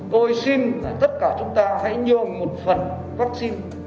tôi xin là tất cả chúng ta hãy nhường một phần vaccine